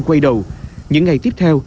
quay đầu những ngày tiếp theo